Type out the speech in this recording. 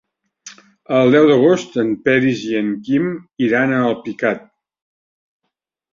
El deu d'agost en Peris i en Quim iran a Alpicat.